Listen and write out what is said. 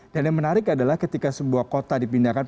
dan yang menarik adalah ketika sebuah kota dipindahkan